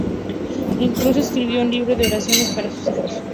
Incluso escribió un libro de oraciones para sus hijos.